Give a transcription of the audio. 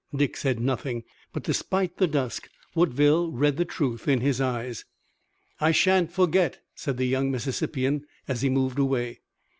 Dick said nothing, but despite the dusk Woodville read the truth in his eyes. "I shan't forget," said the young Mississippian as he moved away.